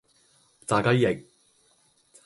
炸雞翼